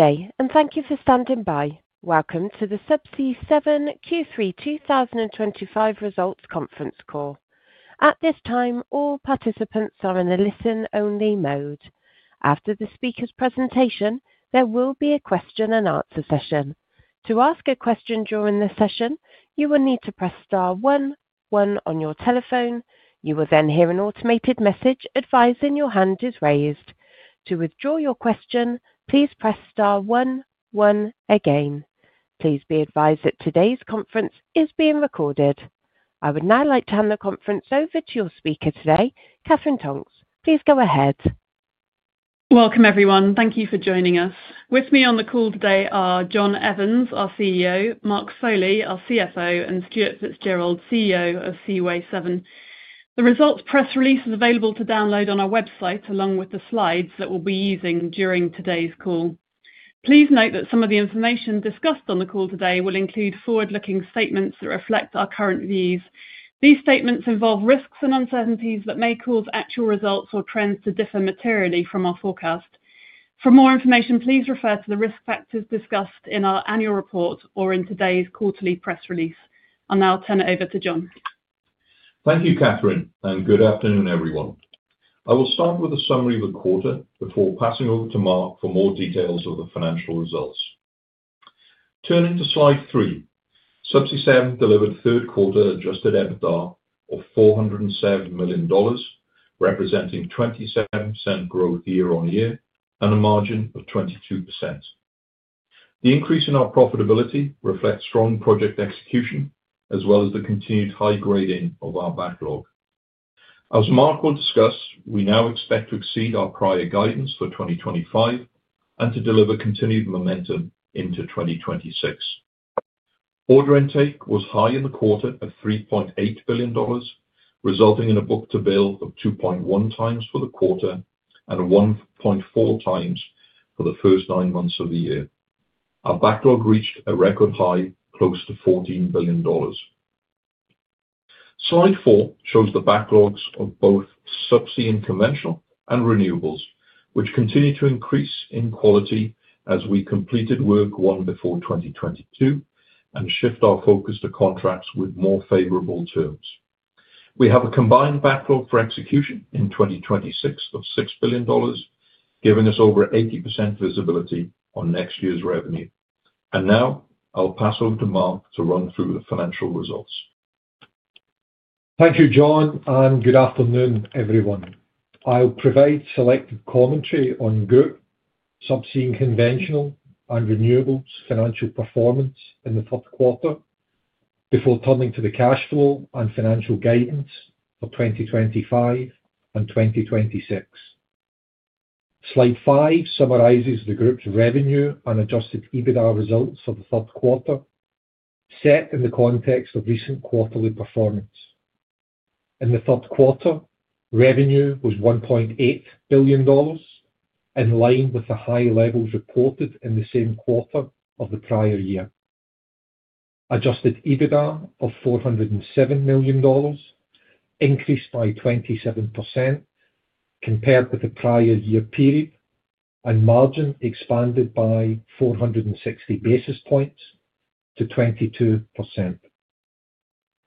Okay, and thank you for standing by. Welcome to the Subsea7 Q3 2025 Results Conference Call. At this time, all participants are in a listen-only mode. After the speaker's presentation, there will be a question-and-answer session. To ask a question during the session, you will need to press star one one on your telephone. You will then hear an automated message advising your hand is raised. To withdraw your question, please press star one one again. Please be advised that today's conference is being recorded. I would now like to hand the conference over to your speaker today, Katherine Tonks. Please go ahead. Welcome, everyone. Thank you for joining us. With me on the call today are John Evans, our CEO; Mark Foley, our CFO; and Stuart Fitzgerald, CEO of Seaway7. The results press release is available to download on our website, along with the slides that we'll be using during today's call. Please note that some of the information discussed on the call today will include forward-looking statements that reflect our current views. These statements involve risks and uncertainties that may cause actual results or trends to differ materially from our forecast. For more information, please refer to the risk factors discussed in our annual report or in today's quarterly press release. I'll now turn it over to John. Thank you, Katherine, and good afternoon, everyone. I will start with a summary of the quarter before passing over to Mark for more details of the financial results. Turning to slide three, Subsea7 delivered third-quarter Adjusted EBITDA of $407 million, representing 27% growth year-on-year and a margin of 22%. The increase in our profitability reflects strong project execution, as well as the continued high grading of our backlog. As Mark will discuss, we now expect to exceed our prior guidance for 2025 and to deliver continued momentum into 2026. Order intake was high in the quarter at $3.8 billion, resulting in a book-to-bill of 2.1 times for the quarter and 1.4 times for the first nine months of the year. Our backlog reached a record high, close to $14 billion. Slide four shows the backlogs of both Subsea and Conventional and Renewables, which continue to increase in quality as we completed work won before 2022 and shift our focus to contracts with more favorable terms. We have a combined backlog for execution in 2026 of $6 billion, giving us over 80% visibility on next year's revenue. I will now pass over to Mark to run through the financial results. Thank you, John, and good afternoon, everyone. I'll provide selective commentary on GRIP, Subsea and Conventional, and Renewables' financial performance in the fourth quarter, before turning to the cash flow and financial guidance for 2025 and 2026. Slide five summarizes the GRIP's revenue and Adjusted EBITDA results for the fourth quarter, set in the context of recent quarterly performance. In the fourth quarter, revenue was $1.8 billion, in line with the high levels reported in the same quarter of the prior year. Adjusted EBITDA of $407 million increased by 27% compared with the prior year period, and margin expanded by 460 basis points to 22%.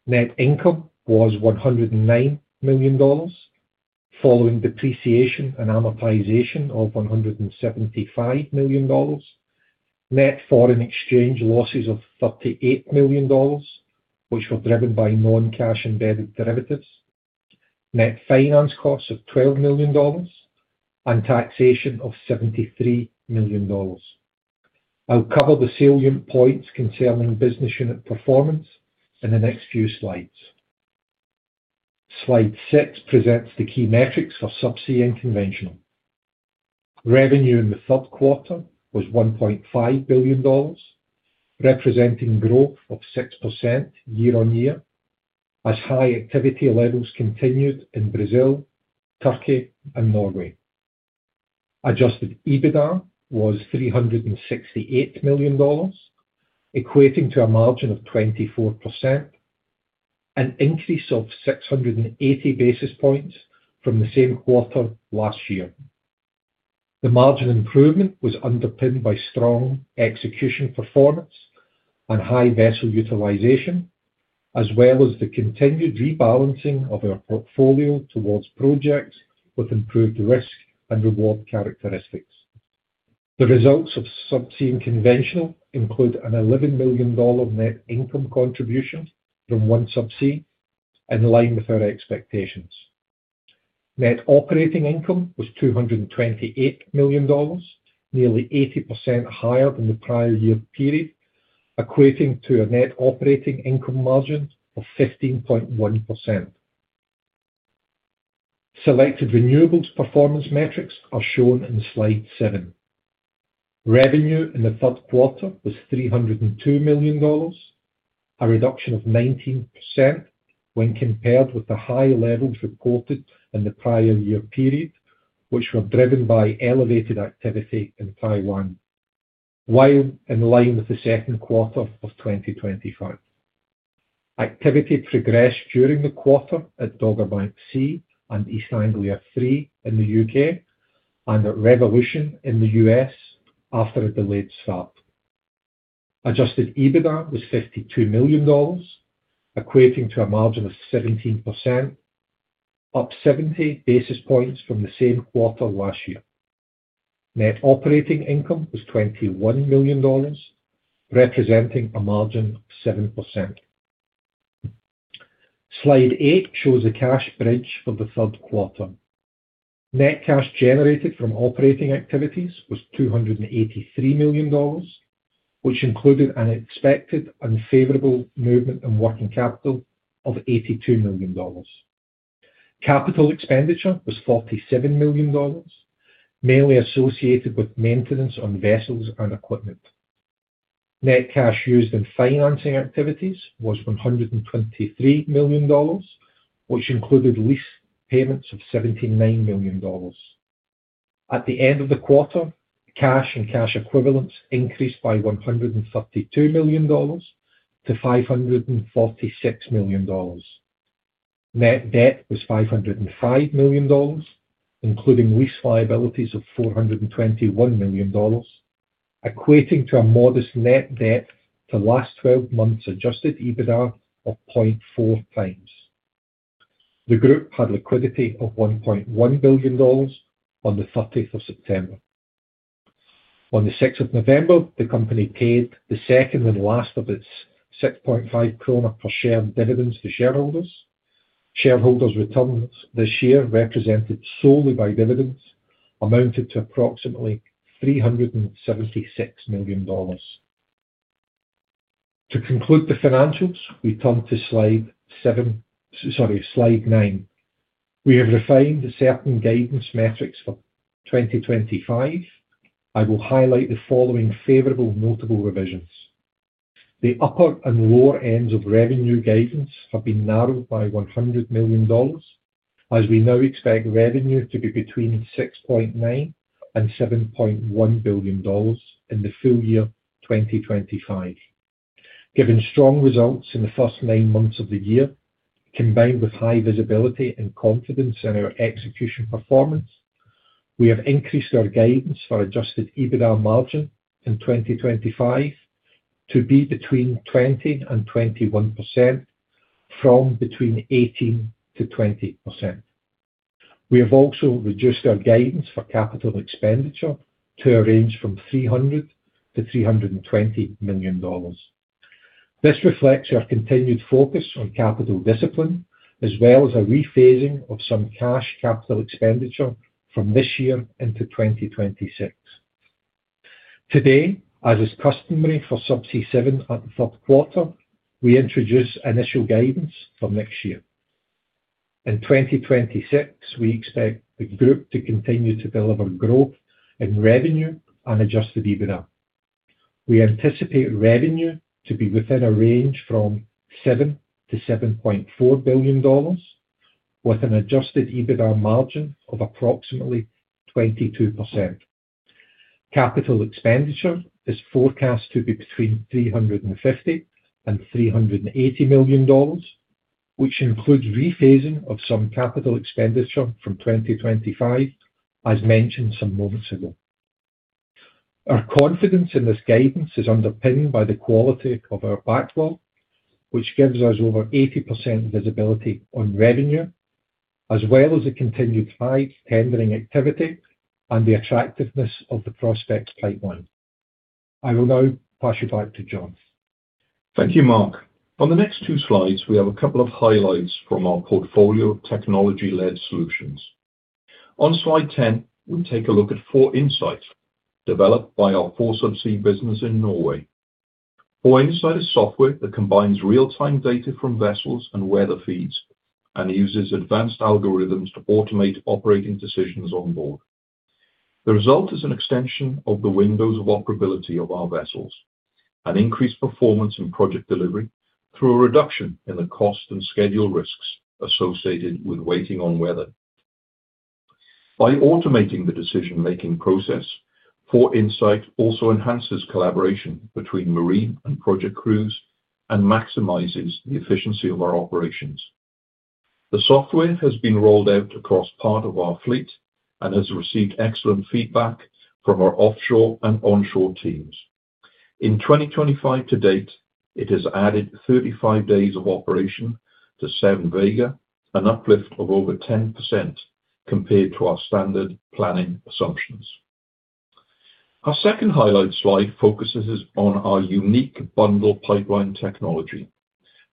Net income was $109 million, following depreciation and amortization of $175 million. Net foreign exchange losses of $38 million, which were driven by non-cash embedded derivatives. Net finance costs of $12 million, and taxation of $73 million. I'll cover the salient points concerning business unit performance in the next few slides. Slide six presents the key metrics for Subsea and Conventional. Revenue in the third quarter was $1.5 billion, representing growth of 6% year-on-year, as high activity levels continued in Brazil, Turkey, and Norway. Adjusted EBITDA was $368 million, equating to a margin of 24%, an increase of 680 basis points from the same quarter last year. The margin improvement was underpinned by strong execution performance and high vessel utilization, as well as the continued rebalancing of our portfolio towards projects with improved risk and reward characteristics. The results of Subsea and Conventional include an $11 million net income contribution from OneSubsea, in line with our expectations. Net operating income was $228 million, nearly 80% higher than the prior year period, equating to a net operating income margin of 15.1%. Selected renewables performance metrics are shown in slide seven. Revenue in the third quarter was $302 million, a reduction of 19% when compared with the high levels reported in the prior year period, which were driven by elevated activity in Taiwan, while in line with the second quarter of 2025. Activity progressed during the quarter at Dogger Bank Sea and East Anglia THREE in the U.K., and at Revolution in the U.S. after a delayed stop. Adjusted EBITDA was $52 million, equating to a margin of 17%, up 70 basis points from the same quarter last year. Net operating income was $21 million, representing a margin of 7%. Slide eight shows the cash bridge for the third quarter. Net cash generated from operating activities was $283 million, which included an expected unfavorable movement in working capital of $82 million. Capital expenditure was $47 million, mainly associated with maintenance on vessels and equipment. Net cash used in financing activities was $123 million, which included lease payments of $79 million. At the end of the quarter, cash and cash equivalents increased by $132 million to $546 million. Net debt was $505 million, including lease liabilities of $421 million, equating to a modest net debt to last 12 months' Adjusted EBITDA of 0.4 times. The group had liquidity of $1.1 billion on the 30th of September. On the 6th of November, the company paid the second and last of its 6.5 kroner per share dividends to shareholders. Shareholders' returns this year, represented solely by dividends, amounted to approximately $376 million. To conclude the financials, we turn to slide seven, sorry, slide nine. We have refined certain guidance metrics for 2025. I will highlight the following favorable notable revisions. The upper and lower ends of revenue guidance have been narrowed by $100 million, as we now expect revenue to be between $6.9 billion and $7.1 billion in the full year 2025. Given strong results in the first nine months of the year, combined with high visibility and confidence in our execution performance, we have increased our guidance for Adjusted EBITDA margin in 2025 to be between 20% and 21%, from between 18% to 20%. We have also reduced our guidance for capital expenditure to a range from $300 million to $320 million. This reflects our continued focus on capital discipline, as well as a rephasing of some cash capital expenditure from this year into 2026. Today, as is customary for Subsea7 at the third quarter, we introduce initial guidance for next year. In 2026, we expect the GRIP to continue to deliver growth in revenue and Adjusted EBITDA. We anticipate revenue to be within a range from $7 billion-$7.4 billion, with an Adjusted EBITDA margin of approximately 22%. Capital expenditure is forecast to be between $350 million and $380 million, which includes rephasing of some capital expenditure from 2025, as mentioned some moments ago. Our confidence in this guidance is underpinned by the quality of our backlog, which gives us over 80% visibility on revenue, as well as the continued high tendering activity and the attractiveness of the prospect pipeline. I will now pass you back to John. Thank you, Mark. On the next two slides, we have a couple of highlights from our portfolio of technology-led solutions. On slide 10, we take a look at 4Insights developed by our Subsea business in Norway. 4Insights is software that combines real-time data from vessels and weather feeds and uses advanced algorithms to automate operating decisions on board. The result is an extension of the windows of operability of our vessels and increased performance in project delivery through a reduction in the cost and schedule risks associated with waiting on weather. By automating the decision-making process, 4Insights also enhances collaboration between marine and project crews and maximizes the efficiency of our operations. The software has been rolled out across part of our fleet and has received excellent feedback from our offshore and onshore teams. In 2025 to date, it has added 35 days of operation to Seven Vega and uplift of over 10% compared to our standard planning assumptions. Our second highlight slide focuses on our unique bundle pipeline technology.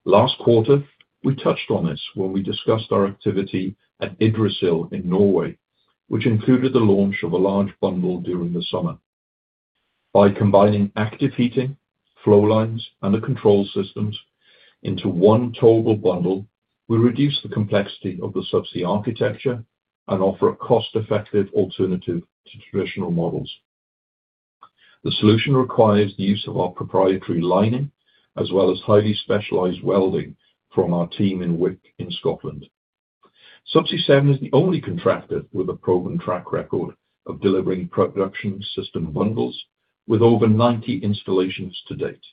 Last quarter, we touched on this when we discussed our activity at Idrisill in Norway, which included the launch of a large bundle during the summer. By combining active heating, flow lines, and the control systems into one total bundle, we reduce the complexity of the subsea architecture and offer a cost-effective alternative to traditional models. The solution requires the use of our proprietary lining, as well as highly specialized welding from our team in Wick in Scotland. Subsea7 is the only contractor with a proven track record of delivering production system bundles with over 90 installations to date.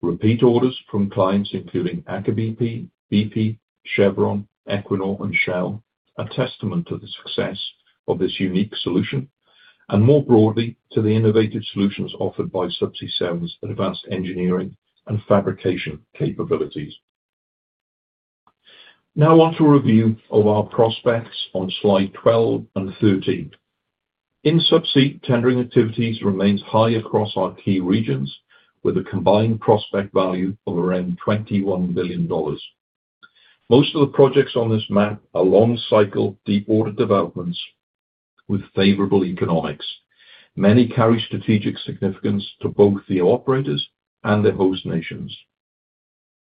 Repeat orders from clients, including Aker BP, Chevron, Equinor, and Shell, are a testament to the success of this unique solution, and more broadly, to the innovative solutions offered by Subsea7's advanced engineering and fabrication capabilities. Now, on to a review of our prospects on slide 12 and 13. Subsea tendering activities remain high across our key regions, with a combined prospect value of around $21 billion. Most of the projects on this map are long-cycle de-order developments with favorable economics. Many carry strategic significance to both the operators and the host nations.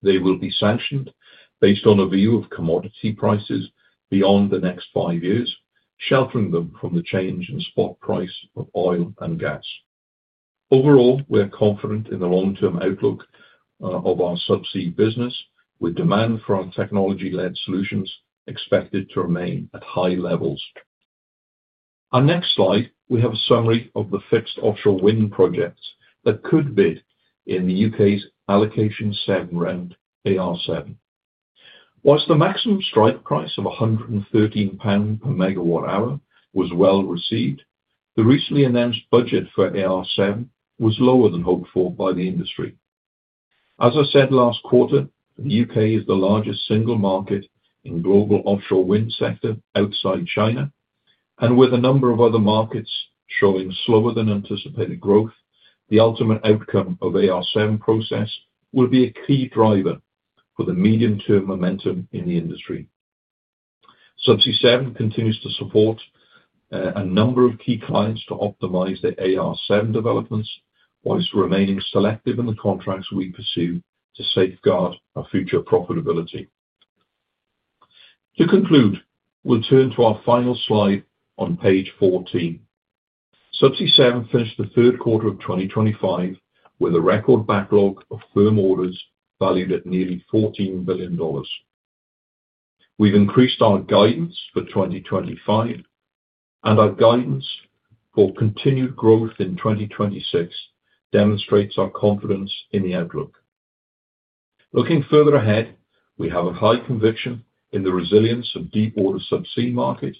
They will be sanctioned based on a view of commodity prices beyond the next five years, sheltering them from the change in spot price of oil and gas. Overall, we're confident in the long-term outlook of our subsea business, with demand for our technology-led solutions expected to remain at high levels. On the next slide, we have a summary of the fixed offshore wind projects that could bid in the U.K.'s Allocation 7 round, AR7. Whilst the maximum strike price of 113 pound per megawatt hour was well received, the recently announced budget for AR7 was lower than hoped for by the industry. As I said last quarter, the U.K. is the largest single market in the global offshore wind sector outside China, and with a number of other markets showing slower than anticipated growth, the ultimate outcome of the AR7 process will be a key driver for the medium-term momentum in the industry. Subsea7 continues to support a number of key clients to optimize their AR7 developments, whilst remaining selective in the contracts we pursue to safeguard our future profitability. To conclude, we'll turn to our final slide on page 14. Subsea7 finished the third quarter of 2025 with a record backlog of firm orders valued at nearly $14 billion. We have increased our guidance for 2025, and our guidance for continued growth in 2026 demonstrates our confidence in the outlook. Looking further ahead, we have a high conviction in the resilience of the deep-water subsea market,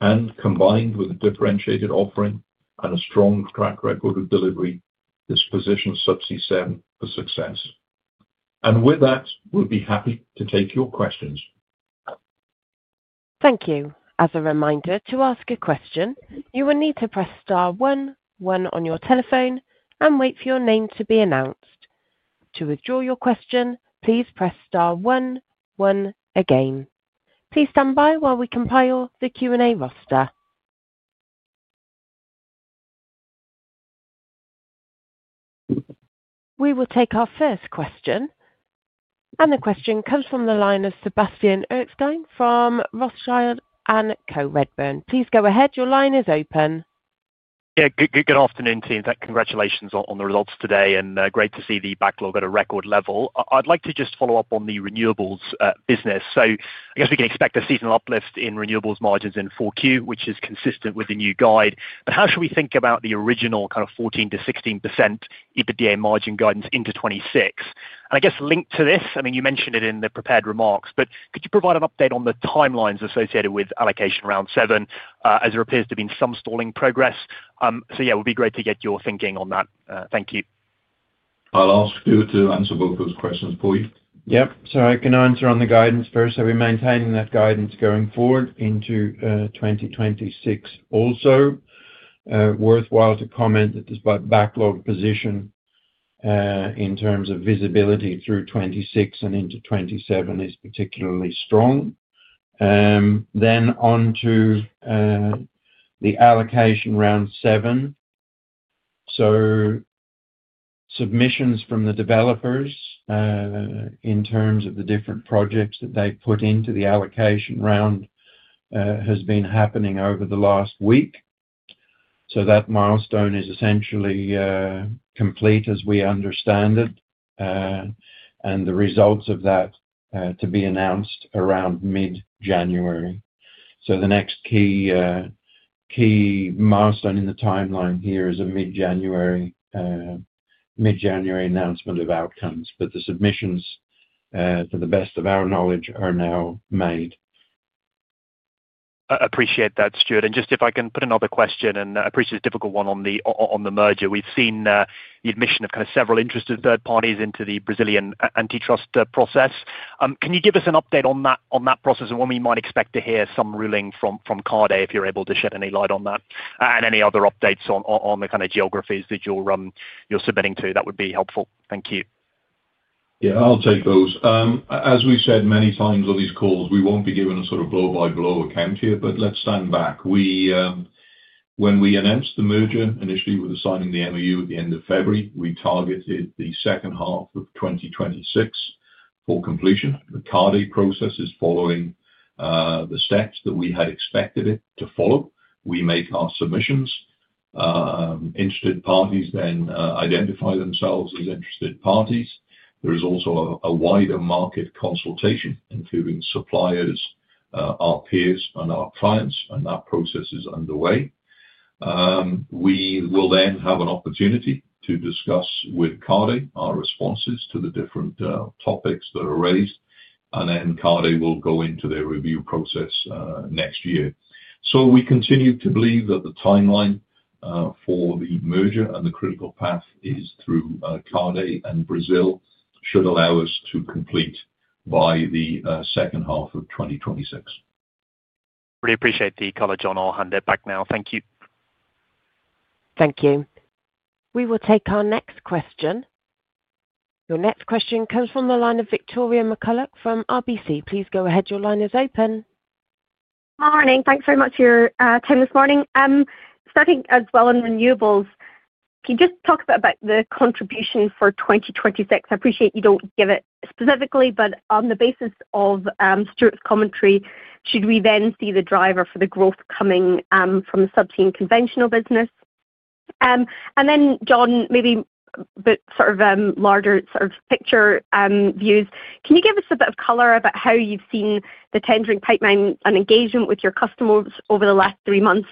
and combined with a differentiated offering and a strong track record of delivery, this positions Subsea7 for success. We will be happy to take your questions. Thank you. As a reminder, to ask a question, you will need to press star one, one on your telephone, and wait for your name to be announced. To withdraw your question, please press star one, one again. Please stand by while we compile the Q&A roster. We will take our first question, and the question comes from the line of Sebastian Erkstein from Rothschild & Co. Redburn. Please go ahead. Your line is open. Yeah, good afternoon, team. Congratulations on the results today, and great to see the backlog at a record level. I'd like to just follow up on the renewables business. I guess we can expect a seasonal uplift in renewables margins in Q4, which is consistent with the new guide. How should we think about the original kind of 14%-16% EBITDA margin guidance into 2026? I guess linked to this, I mean, you mentioned it in the prepared remarks, could you provide an update on the timelines associated with Allocation Round 7, as there appears to have been some stalling progress? It would be great to get your thinking on that. Thank you. I'll ask you to answer both those questions for you. Yep. Sorry, can I answer on the guidance first? Are we maintaining that guidance going forward into 2026 also? Worthwhile to comment that this backlog position in terms of visibility through 2026 and into 2027 is particularly strong. Onto the Allocation Round 7. Submissions from the developers in terms of the different projects that they have put into the Allocation Round have been happening over the last week. That milestone is essentially complete as we understand it, and the results of that are to be announced around mid-January. The next key milestone in the timeline here is a mid-January announcement of outcomes, but the submissions, to the best of our knowledge, are now made. I appreciate that, Stuart. Just if I can put another question, and I appreciate the difficult one on the merger. We've seen the admission of kind of several interested third parties into the Brazilian antitrust process. Can you give us an update on that process and when we might expect to hear some ruling from CADE if you're able to shed any light on that, and any other updates on the kind of geographies that you're submitting to? That would be helpful. Thank you. Yeah, I'll take those. As we've said many times on these calls, we won't be giving a sort of blow-by-blow account here, but let's stand back. When we announced the merger, initially with signing the MOU at the end of February, we targeted the second half of 2026 for completion. The CADE process is following the steps that we had expected it to follow. We make our submissions. Interested parties then identify themselves as interested parties. There is also a wider market consultation, including suppliers, our peers, and our clients, and that process is underway. We will then have an opportunity to discuss with CADE our responses to the different topics that are raised, and then CADE will go into their review process next year. We continue to believe that the timeline for the merger and the critical path is through CADE and Brazil, should allow us to complete by the second half of 2026. Really appreciate the coverage, John. I'll hand it back now. Thank you. Thank you. We will take our next question. Your next question comes from the line of Victoria McCulloch from RBC. Please go ahead. Your line is open. Morning. Thanks very much for your time this morning. Starting as well on renewables, can you just talk a bit about the contribution for 2026? I appreciate you do not give it specifically, but on the basis of Stuart's commentary, should we then see the driver for the growth coming from the Subsea and Conventional business? John, maybe a bit sort of larger sort of picture views. Can you give us a bit of color about how you have seen the tendering pipeline and engagement with your customers over the last three months?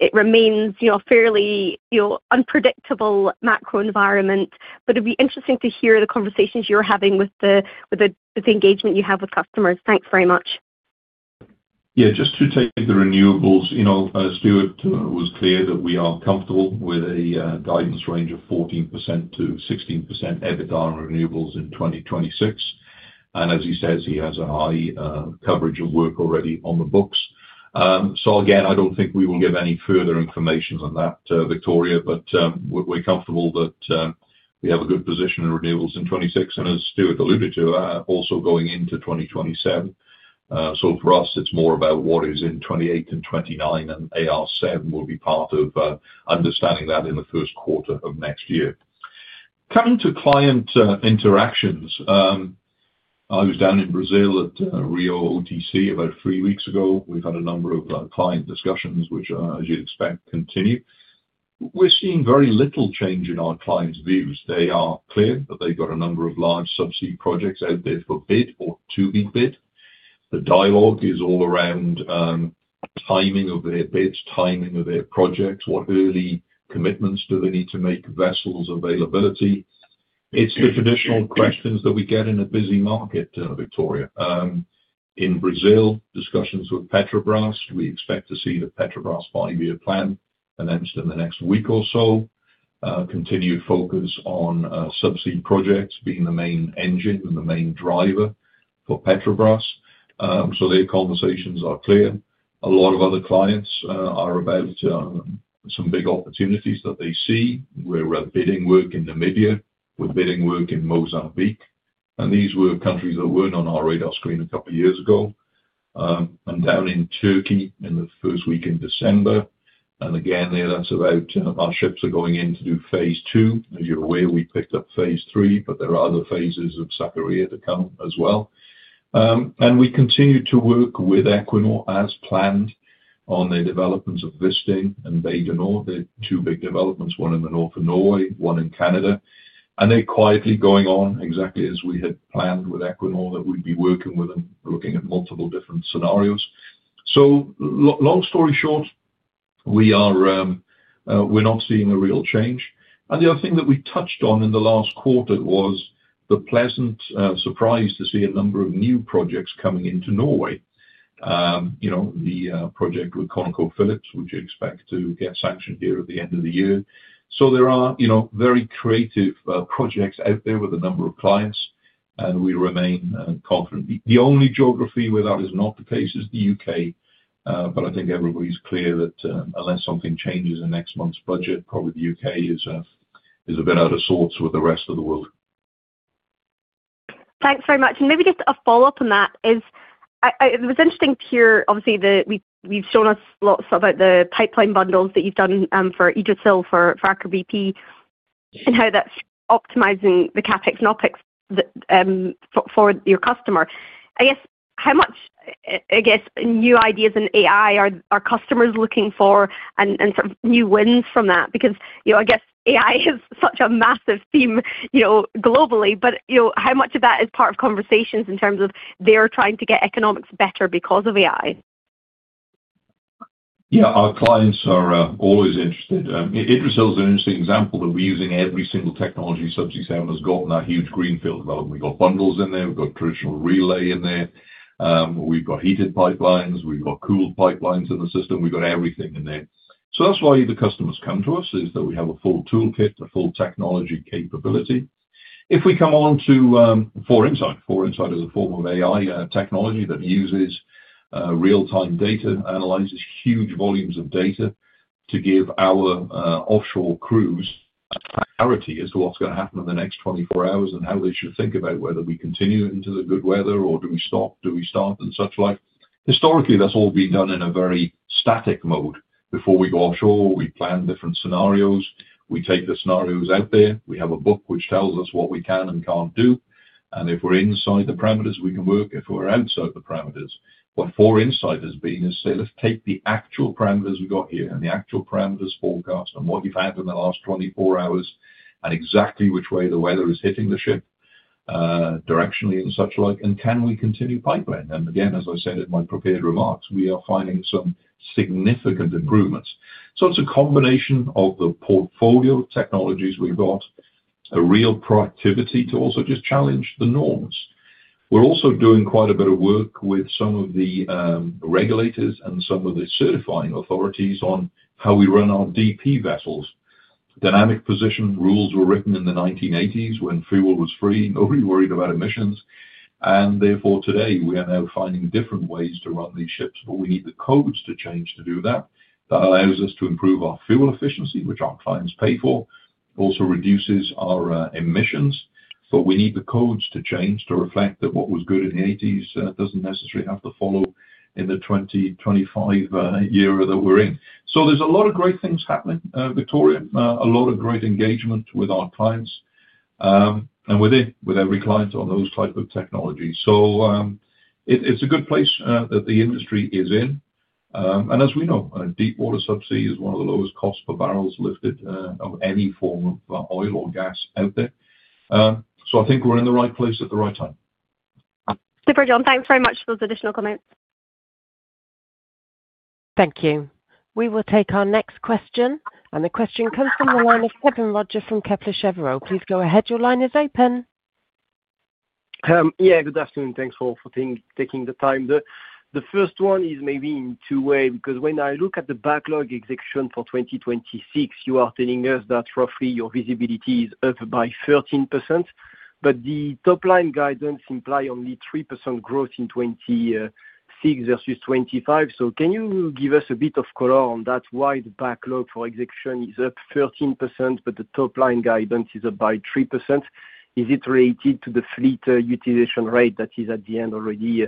It remains a fairly unpredictable macro environment, but it would be interesting to hear the conversations you are having with the engagement you have with customers. Thanks very much. Yeah, just to take the renewables, Stuart was clear that we are comfortable with a guidance range of 14%-16% EBITDA on renewables in 2026. As he says, he has a high coverage of work already on the books. I do not think we will give any further information on that, Victoria, but we are comfortable that we have a good position in renewables in 2026, and as Stuart alluded to, also going into 2027. For us, it is more about what is in 2028 and 2029, and AR7 will be part of understanding that in the first quarter of next year. Coming to client interactions, I was down in Brazil at Rio OTC about three weeks ago. We have had a number of client discussions, which, as you would expect, continue. We are seeing very little change in our clients' views. They are clear that they've got a number of large subsea projects out there for bid or to be bid. The dialogue is all around timing of their bids, timing of their projects, what early commitments do they need to make, vessels availability. It's the traditional questions that we get in a busy market, Victoria. In Brazil, discussions with Petrobras. We expect to see the Petrobras five-year plan announced in the next week or so. Continued focus on subsea projects being the main engine and the main driver for Petrobras. Their conversations are clear. A lot of other clients are about some big opportunities that they see. We're bidding work in Namibia. We're bidding work in Mozambique. These were countries that weren't on our radar screen a couple of years ago. Down in Turkey in the first week in December. That's about our ships are going in to do phase II. As you're aware, we picked up phase three, but there are other phases of Sakarya to come as well. We continue to work with Equinor as planned on their developments of Visund and Bay du Nord, their two big developments, one in the north of Norway, one in Canada. They're quietly going on exactly as we had planned with Equinor that we'd be working with them, looking at multiple different scenarios. Long story short, we're not seeing a real change. The other thing that we touched on in the last quarter was the pleasant surprise to see a number of new projects coming into Norway. The project with ConocoPhillips, which you expect to get sanctioned here at the end of the year. There are very creative projects out there with a number of clients, and we remain confident. The only geography where that is not the case is the U.K., but I think everybody's clear that unless something changes in next month's budget, probably the U.K. is a bit out of sorts with the rest of the world. Thanks very much. Maybe just a follow-up on that. It was interesting to hear, obviously, that you've shown us lots about the pipeline bundles that you've done for Idrisill, for Aker BP, and how that's optimizing the CapEx and OpEx for your customer. I guess how much, I guess, new ideas in AI are customers looking for and sort of new wins from that? Because I guess AI is such a massive theme globally, but how much of that is part of conversations in terms of they're trying to get economics better because of AI? Yeah, our clients are always interested. Idrisill is an interesting example that we're using every single technology Subsea7 has got in that huge greenfield development. We've got bundles in there. We've got traditional relay in there. We've got heated pipelines. We've got cooled pipelines in the system. We've got everything in there. That is why the customers come to us is that we have a full toolkit, a full technology capability. If we come on to 4Insights, 4Insights is a form of AI technology that uses real-time data, analyzes huge volumes of data to give our offshore crews a clarity as to what's going to happen in the next 24 hours and how they should think about whether we continue into the good weather or do we stop, do we start, and such like. Historically, that's all been done in a very static mode. Before we go offshore, we plan different scenarios. We take the scenarios out there. We have a book which tells us what we can and can't do. If we're inside the parameters, we can work. If we're outside the parameters, what 4Insights has been is say, "Let's take the actual parameters we've got here and the actual parameters forecast and what you've had in the last 24 hours and exactly which way the weather is hitting the ship directionally and such like, and can we continue pipeline?" As I said in my prepared remarks, we are finding some significant improvements. It is a combination of the portfolio of technologies we've got, a real proactivity to also just challenge the norms. We're also doing quite a bit of work with some of the regulators and some of the certifying authorities on how we run our DP vessels. Dynamic position rules were written in the 1980s when fuel was free. Nobody worried about emissions. Therefore, today, we are now finding different ways to run these ships, but we need the codes to change to do that. That allows us to improve our fuel efficiency, which our clients pay for, also reduces our emissions. We need the codes to change to reflect that what was good in the 1980s does not necessarily have to follow in the 2025 era that we are in. There are a lot of great things happening, Victoria, a lot of great engagement with our clients and with every client on those types of technologies. It is a good place that the industry is in. As we know, deep water subsea is one of the lowest costs per barrels lifted of any form of oil or gas out there. I think we're in the right place at the right time. Super, John. Thanks very much for those additional comments. Thank you. We will take our next question. The question comes from the line of Kevin Roger from Kepler Cheuvreux. Please go ahead. Your line is open. Yeah, good afternoon. Thanks for taking the time. The first one is maybe in two ways because when I look at the backlog execution for 2026, you are telling us that roughly your visibility is up by 13%, but the top-line guidance implies only 3% growth in 2026 versus 2025. Can you give us a bit of color on that? Why the backlog for execution is up 13%, but the top-line guidance is up by 3%? Is it related to the fleet utilization rate that is at the end already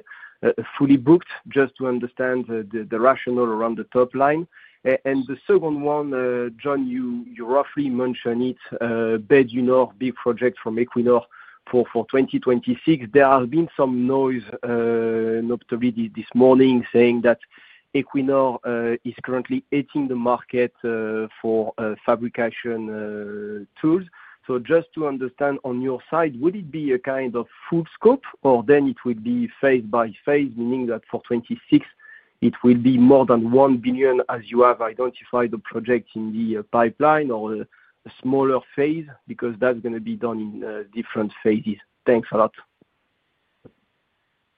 fully booked? Just to understand the rationale around the top line. The second one, John, you roughly mentioned it, Bay du Nord big project from Equinor for 2026. There has been some noise notably this morning saying that Equinor is currently hitting the market for fabrication tools. Just to understand on your side, would it be a kind of full scope or then it would be phase by phase, meaning that for 2026, it will be more than $1 billion as you have identified the project in the pipeline or a smaller phase because that is going to be done in different phases? Thanks a lot.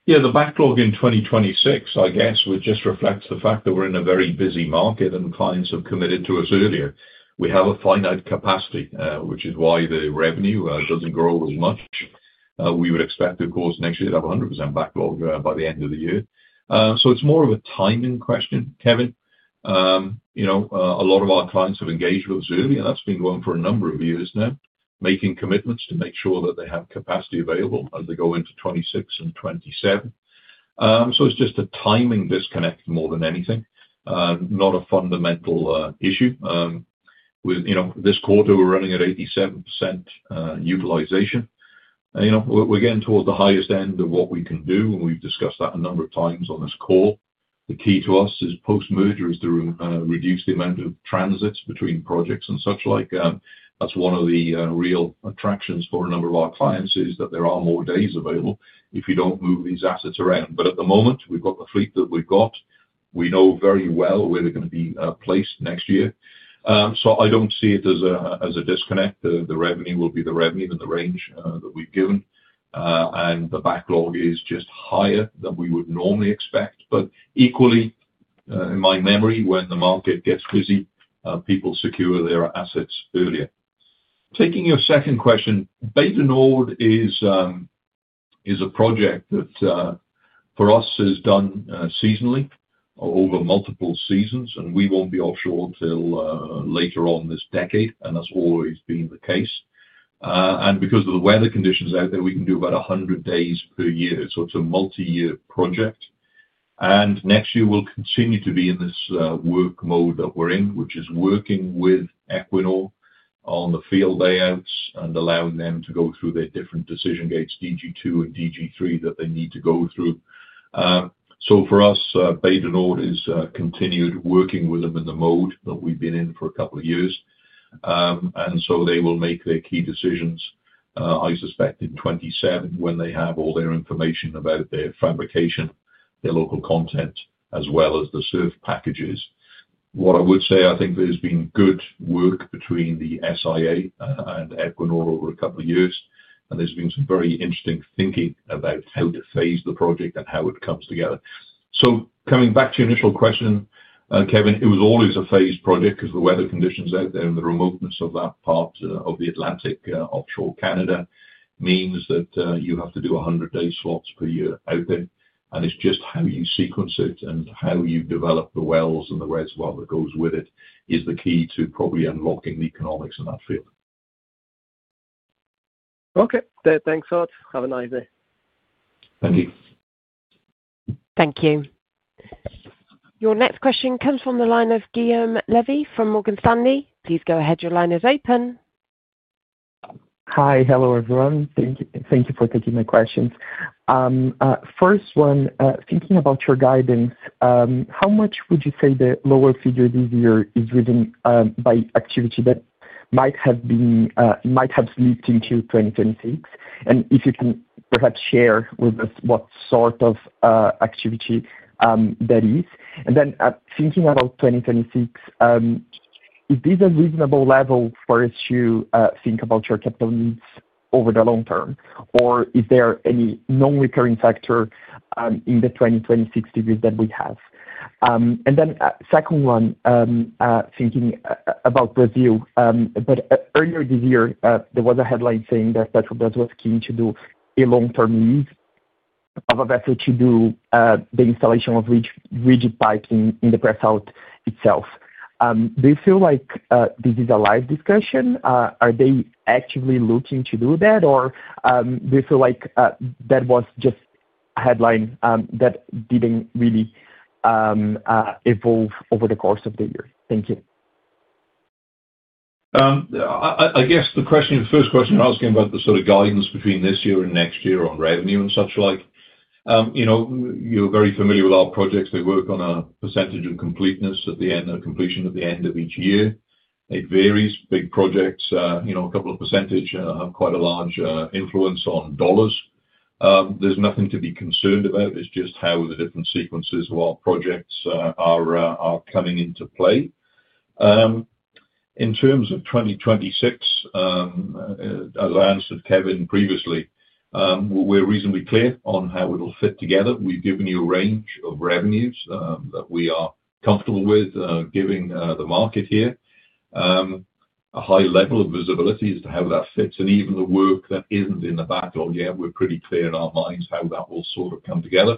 Yeah, the backlog in 2026, I guess, would just reflect the fact that we're in a very busy market and clients have committed to us earlier. We have a finite capacity, which is why the revenue doesn't grow as much. We would expect, of course, next year to have 100% backlog by the end of the year. It is more of a timing question, Kevin. A lot of our clients have engaged with us earlier. That's been going for a number of years now, making commitments to make sure that they have capacity available as they go into 2026 and 2027. It is just a timing disconnect more than anything, not a fundamental issue. This quarter, we're running at 87% utilization. We're getting towards the highest end of what we can do, and we've discussed that a number of times on this call. The key to us is post-merger is to reduce the amount of transits between projects and such like. That's one of the real attractions for a number of our clients is that there are more days available if you don't move these assets around. At the moment, we've got the fleet that we've got. We know very well where they're going to be placed next year. I don't see it as a disconnect. The revenue will be the revenue and the range that we've given. The backlog is just higher than we would normally expect. Equally, in my memory, when the market gets busy, people secure their assets earlier. Taking your second question, Bay du Nord is a project that for us is done seasonally over multiple seasons, and we won't be offshore until later on this decade, and that's always been the case. Because of the weather conditions out there, we can do about 100 days per year. It is a multi-year project. Next year, we will continue to be in this work mode that we are in, which is working with Equinor on the field layouts and allowing them to go through their different decision gates, DG2 and DG3, that they need to go through. For us, Bay du Nord is continued working with them in the mode that we have been in for a couple of years. They will make their key decisions, I suspect, in 2027 when they have all their information about their fabrication, their local content, as well as the SURF packages. What I would say, I think there's been good work between the SIA and Equinor over a couple of years, and there's been some very interesting thinking about how to phase the project and how it comes together. Coming back to your initial question, Kevin, it was always a phased project because the weather conditions out there and the remoteness of that part of the Atlantic offshore Canada means that you have to do 100-day slots per year out there. It's just how you sequence it and how you develop the wells and the reservoir that goes with it is the key to probably unlocking the economics in that field. Okay. Thanks a lot. Have a nice day. Thank you. Thank you. Your next question comes from the line of Guilherme Levy from Morgan Stanley. Please go ahead. Your line is open. Hi. Hello, everyone. Thank you for taking my questions. First one, thinking about your guidance, how much would you say the lower figure this year is driven by activity that might have slipped into 2026? If you can perhaps share with us what sort of activity that is. Thinking about 2026, is this a reasonable level for us to think about your capital needs over the long term? Is there any non-recurring factor in the 2026 figures that we have? Second one, thinking about Brazil, earlier this year, there was a headline saying that Petrobras was keen to do a long-term lease of a vessel to do the installation of rigid pipes in the presalt itself. Do you feel like this is a live discussion? Are they actively looking to do that? Or do you feel like that was just a headline that did not really evolve over the course of the year? Thank you. I guess the question, the first question you're asking about the sort of guidance between this year and next year on revenue and such like. You're very familiar with our projects. They work on a percentage of completeness at the end, a completion at the end of each year. It varies. Big projects, a couple of percentage have quite a large influence on dollars. There's nothing to be concerned about. It's just how the different sequences of our projects are coming into play. In terms of 2026, as I answered Kevin previously, we're reasonably clear on how it'll fit together. We've given you a range of revenues that we are comfortable with giving the market here. A high level of visibility is to how that fits. Even the work that isn't in the backlog yet, we're pretty clear in our minds how that will sort of come together.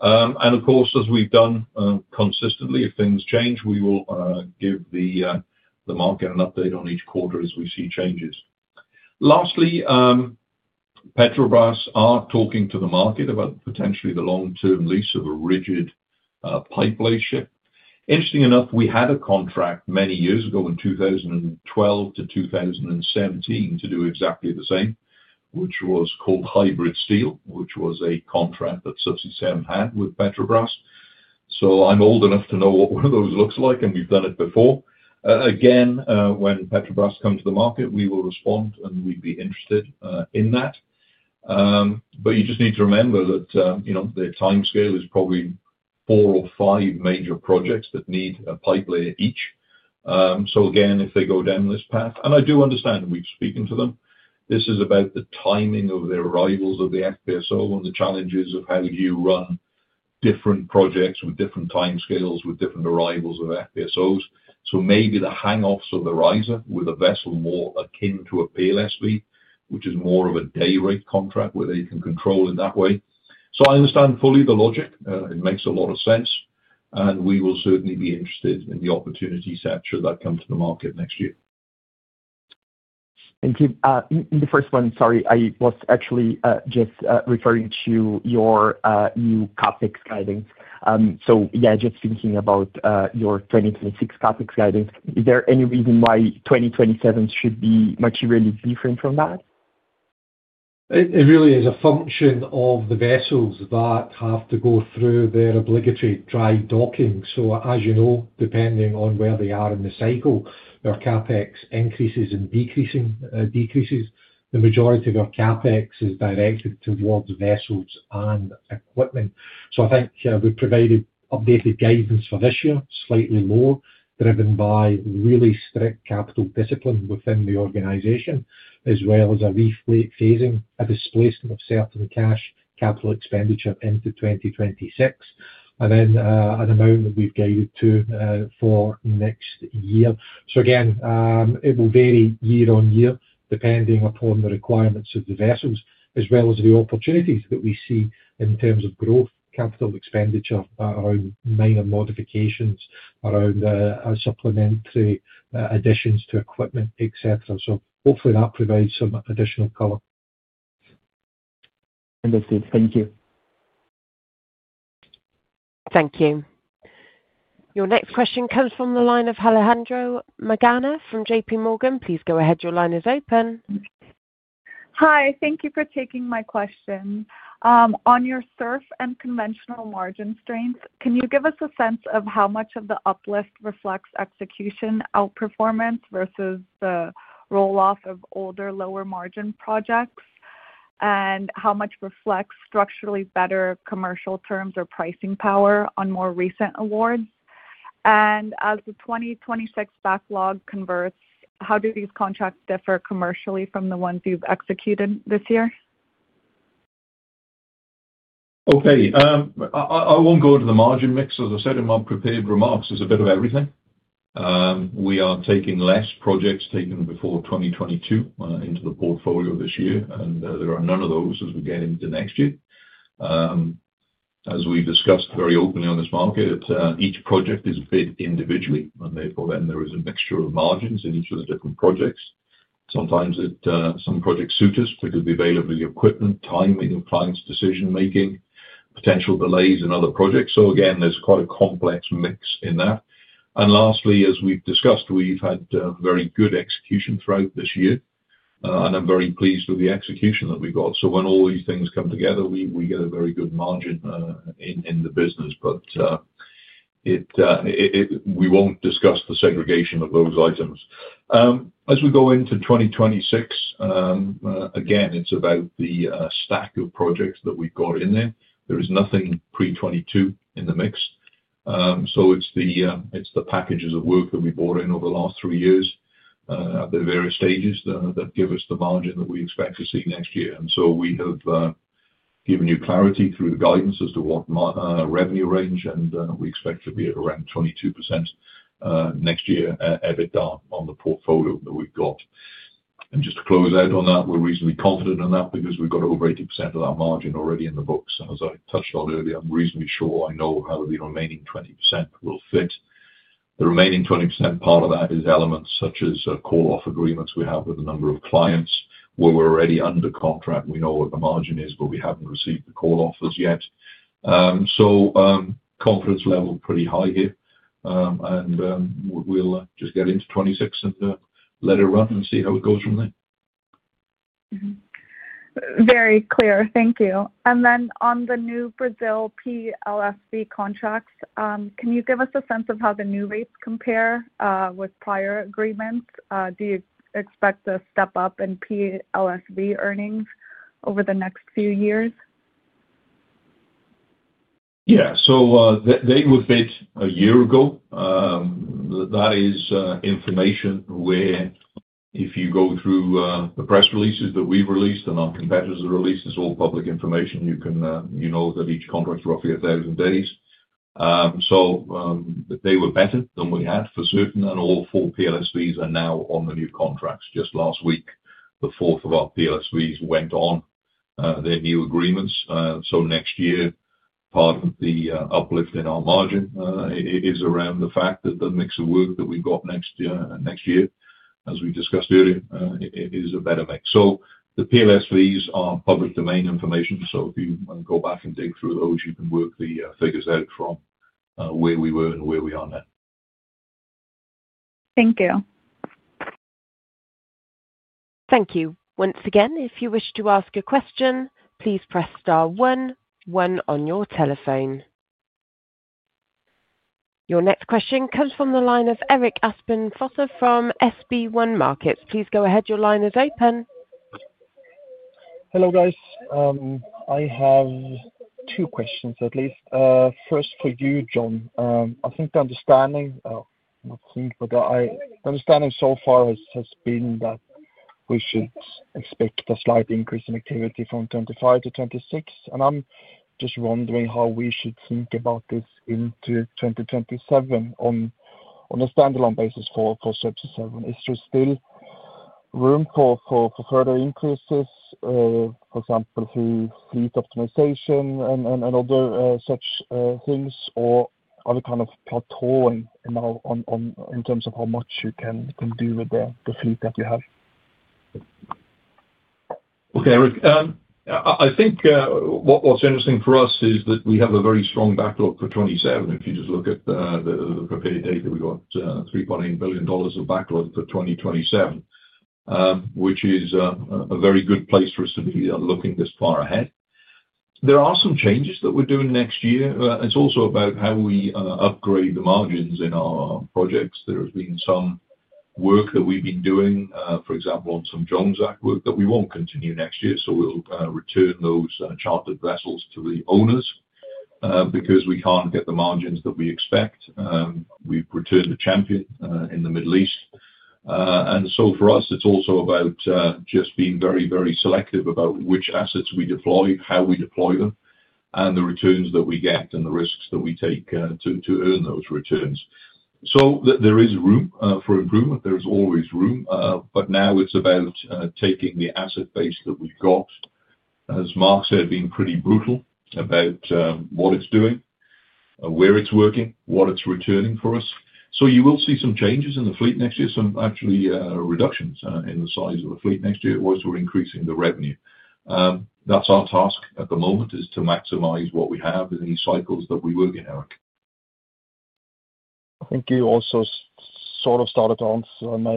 Of course, as we've done consistently, if things change, we will give the market an update on each quarter as we see changes. Lastly, Petrobras are talking to the market about potentially the long-term lease of a rigid pipeline ship. Interestingly enough, we had a contract many years ago in 2012 to 2017 to do exactly the same, which was called Hybrid Steel, which was a contract that Subsea7 had with Petrobras. I'm old enough to know what one of those looks like, and we've done it before. Again, when Petrobras comes to the market, we will respond, and we'd be interested in that. You just need to remember that the timescale is probably four or five major projects that need a pipeline each. If they go down this path, and I do understand, we've spoken to them. This is about the timing of the arrivals of the FPSO and the challenges of how you run different projects with different timescales with different arrivals of FPSOs. Maybe the hang-offs of the riser with a vessel more akin to a PLSV, which is more of a day rate contract where they can control it that way. I understand fully the logic. It makes a lot of sense. We will certainly be interested in the opportunity such as that comes to the market next year. Thank you. The first one, sorry, I was actually just referring to your new CapEx guidance. Yeah, just thinking about your 2026 CapEx guidance, is there any reason why 2027 should be materially different from that? It really is a function of the vessels that have to go through their obligatory dry docking. As you know, depending on where they are in the cycle, their CapEx increases and decreases. The majority of their CapEx is directed towards vessels and equipment. I think we've provided updated guidance for this year, slightly lower, driven by really strict capital discipline within the organization, as well as a reflate phasing, a displacement of certain cash capital expenditure into 2026, and then an amount that we've guided to for next year. It will vary year on year depending upon the requirements of the vessels, as well as the opportunities that we see in terms of growth, capital expenditure, around minor modifications, around supplementary additions to equipment, etc. Hopefully that provides some additional color. Understood. Thank you. Thank you. Your next question comes from the line of Alejandro Magaña from JPMorgan. Please go ahead. Your line is open. Hi. Thank you for taking my question. On your Subsea and Conventional margin strains, can you give us a sense of how much of the uplift reflects execution outperformance versus the roll-off of older lower margin projects and how much reflects structurally better commercial terms or pricing power on more recent awards? As the 2026 backlog converts, how do these contracts differ commercially from the ones you've executed this year? Okay. I won't go into the margin mix. As I said in my prepared remarks, there's a bit of everything. We are taking less projects taken before 2022 into the portfolio this year, and there are none of those as we get into next year. As we've discussed very openly on this market, each project is bid individually, and therefore then there is a mixture of margins in each of the different projects. Sometimes some projects suit us because the availability of equipment, timing of clients' decision-making, potential delays in other projects. There is quite a complex mix in that. Lastly, as we've discussed, we've had very good execution throughout this year, and I'm very pleased with the execution that we've got. When all these things come together, we get a very good margin in the business, but we won't discuss the segregation of those items. As we go into 2026, again, it's about the stack of projects that we've got in there. There is nothing pre-2022 in the mix. It is the packages of work that we brought in over the last three years at the various stages that give us the margin that we expect to see next year. We have given you clarity through the guidance as to what revenue range, and we expect to be at around 22% next year at a bit down on the portfolio that we've got. Just to close out on that, we're reasonably confident in that because we've got over 80% of that margin already in the books. As I touched on earlier, I'm reasonably sure I know how the remaining 20% will fit. The remaining 20% part of that is elements such as call-off agreements we have with a number of clients where we're already under contract. We know what the margin is, but we haven't received the call-offs yet. Confidence level pretty high here. We'll just get into 2026 and let it run and see how it goes from there. Very clear. Thank you. On the new Brazil PLSV contracts, can you give us a sense of how the new rates compare with prior agreements? Do you expect a step up in PLSV earnings over the next few years? Yeah. They were bid a year ago. That is information where if you go through the press releases that we've released and our competitors' releases, all public information, you know that each contract's roughly 1,000 days. They were better than we had for certain, and all four PLSVs are now on the new contracts. Just last week, the fourth of our PLSVs went on their new agreements. Next year, part of the uplift in our margin is around the fact that the mix of work that we've got next year, as we discussed earlier, is a better mix. The PLSVs are public domain information. If you go back and dig through those, you can work the figures out from where we were and where we are now. Thank you. Thank you. Once again, if you wish to ask a question, please press star one, one on your telephone. Your next question comes from the line of Erik Aspen Fosså from SB1 Markets. Please go ahead. Your line is open. Hello, guys. I have two questions at least. First for you, John. I think the understanding I'm not seeing for the understanding so far has been that we should expect a slight increase in activity from 2025 to 2026. I'm just wondering how we should think about this into 2027 on a standalone basis for Subsea7. Is there still room for further increases, for example, through fleet optimization and other such things, or are we kind of plateauing now in terms of how much you can do with the fleet that you have? Okay, Erik. I think what's interesting for us is that we have a very strong backlog for 2027. If you just look at the prepared data, we've got $3.8 billion of backlog for 2027, which is a very good place for us to be looking this far ahead. There are some changes that we're doing next year. It's also about how we upgrade the margins in our projects. There has been some work that we've been doing, for example, on some Jones Act work that we won't continue next year. We'll return those chartered vessels to the owners because we can't get the margins that we expect. We've returned the Champion in the Middle East. For us, it's also about just being very, very selective about which assets we deploy, how we deploy them, and the returns that we get and the risks that we take to earn those returns. There is room for improvement. There is always room. Now it's about taking the asset base that we've got, as Mark said, being pretty brutal about what it's doing, where it's working, what it's returning for us. You will see some changes in the fleet next year, some actually reductions in the size of the fleet next year. Also, we're increasing the revenue. That's our task at the moment, is to maximize what we have in these cycles that we work in, Erik. I think you also sort of started on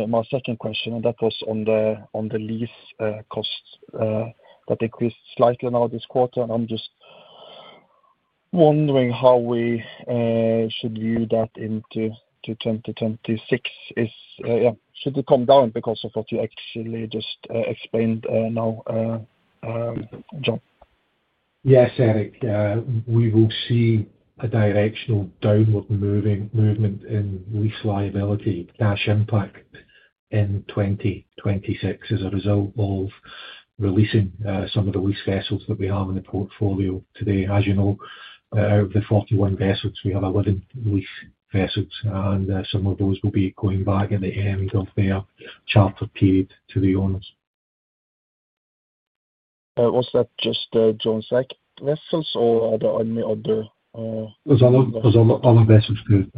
my second question, and that was on the lease costs that increased slightly now this quarter. I am just wondering how we should view that into 2026. Yeah. Should it come down because of what you actually just explained now, John? Yes, Erik. We will see a directional downward movement in lease liability cash impact in 2026 as a result of releasing some of the lease vessels that we have in the portfolio today. As you know, out of the 41 vessels, we have 11 lease vessels, and some of those will be going back in the end of their chartered period to the owners. Was that just Jones Act vessels or are there any other? are other vessels too.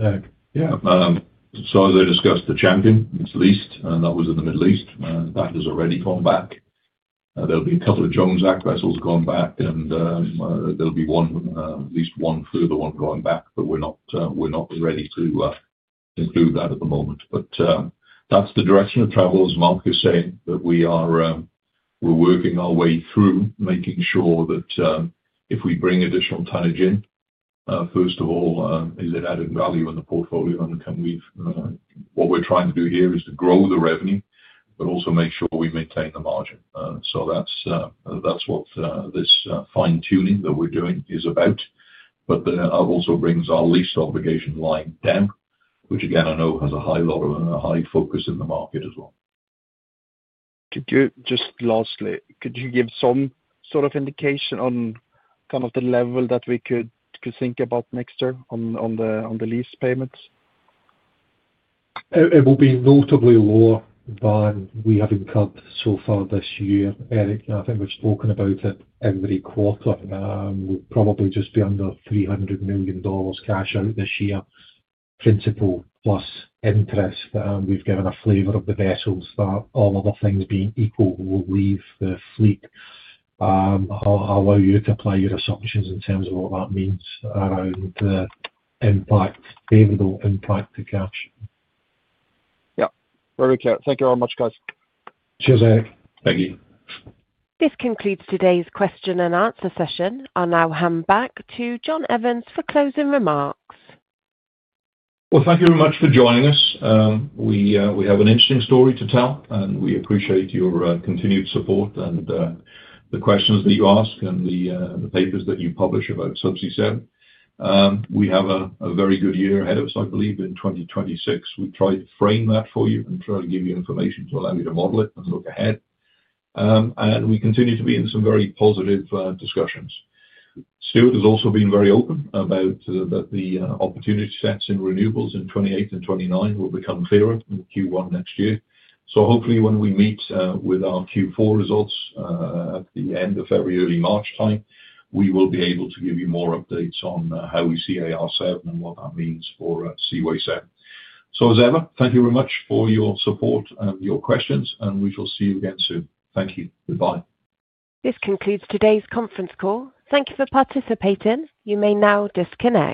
Yeah. As I discussed, the Champion was leased, and that was in the Middle East. That has already gone back. There will be a couple of Jones Act vessels gone back, and there will be at least one further one going back, but we are not ready to include that at the moment. That is the direction of travel, as Mark is saying, that we are working our way through making sure that if we bring additional tonnage in, first of all, is it added value in the portfolio? What we are trying to do here is to grow the revenue, but also make sure we maintain the margin. That is what this fine-tuning that we are doing is about, but it also brings our lease obligation line down, which, again, I know has a high focus in the market as well. Just lastly, could you give some sort of indication on kind of the level that we could think about next year on the lease payments? It will be notably lower than we have incurred so far this year, Erik. I think we've spoken about it every quarter. We'll probably just be under $300 million cash out this year, principal plus interest. We've given a flavor of the vessels that all other things being equal, will leave the fleet. I'll allow you to apply your assumptions in terms of what that means around the impact, favorable impact to cash. Yep. Very clear. Thank you very much, guys. Cheers, Erik. Thank you. This concludes today's question and answer session. I'll now hand back to John Evans for closing remarks. Thank you very much for joining us. We have an interesting story to tell, and we appreciate your continued support and the questions that you ask and the papers that you publish about Subsea7. We have a very good year ahead of us, I believe, in 2026. We have tried to frame that for you and try to give you information to allow you to model it and look ahead. We continue to be in some very positive discussions. Stuart has also been very open about the opportunity sets in renewables in 2028 and 2029 will become clearer in Q1 next year. Hopefully, when we meet with our Q4 results at the end of February, early March time, we will be able to give you more updates on how we see AR7 and what that means for Seaway7. Thank you very much for your support and your questions, and we shall see you again soon. Thank you. Goodbye. This concludes today's conference call. Thank you for participating. You may now disconnect.